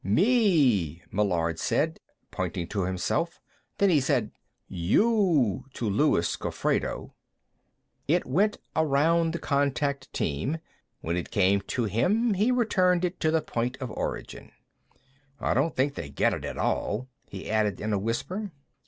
"Me," Meillard said, pointing to himself. Then he said, "You," to Luis Gofredo. It went around the contact team; when it came to him, he returned it to point of origin. "I don't think they get it at all," he added in a whisper.